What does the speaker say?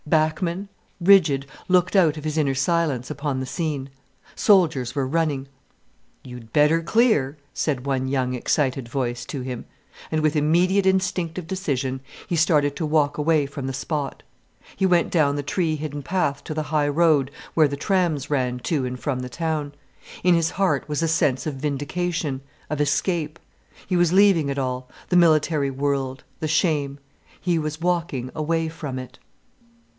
Bachmann, rigid, looked out of his inner silence upon the scene. Soldiers were running. "You'd better clear," said one young, excited voice to him. And with immediate instinctive decision he started to walk away from the spot. He went down the tree hidden path to the high road where the trams ran to and from the town. In his heart was a sense of vindication, of escape. He was leaving it all, the military world, the shame. He was walking away from it.